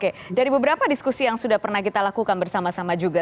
oke dari beberapa diskusi yang sudah pernah kita lakukan bersama sama juga